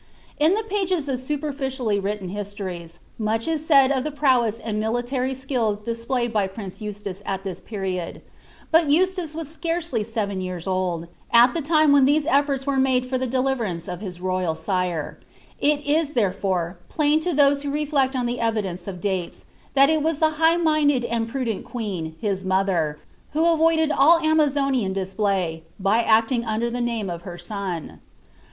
In the pages of superliriiilly written histories, much is said of te prowess and luilitaty skill displayed by prince Eustace at this period', but Eustace was scarcely seven year* old. at tlie time when tWse eflbiU were made for tlie deliverance of his royal sire. It is, therefore, pUni to those who reHeci on the evidence of doi«s, iliat it was the hii^ minded and prudent queen, liis mother, who avotdMl all Aiuazouian » pluy, by acting under the name of her son.